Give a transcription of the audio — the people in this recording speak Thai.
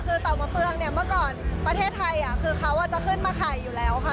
คือเต่ามะเฟืองเนี่ยเมื่อก่อนประเทศไทยคือเขาจะขึ้นมาไข่อยู่แล้วค่ะ